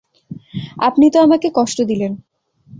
আপনি তো আমাকে কষ্ট দিলেন।